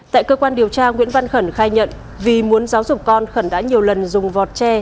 tại cơ quan điều tra nguyễn văn khẩn khai nhận vì muốn giáo dục con khẩn đã nhiều lần dùng vọt tre